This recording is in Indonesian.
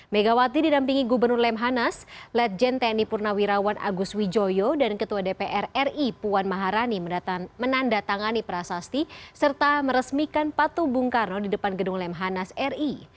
megawati didampingi gubernur lemhanas ledjen tni purnawirawan agus wijoyo dan ketua dpr ri puan maharani menandatangani prasasti serta meresmikan patu bung karno di depan gedung lemhanas ri